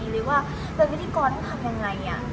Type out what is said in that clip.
หรือว่าเป็นพิธีกรต้องทำยังไง